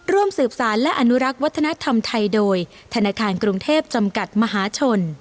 ร่วมสืบสารและอนุรักษ์วัฒนธรรมไทยโดยธนาคารกรุงเทพจำกัดมหาชน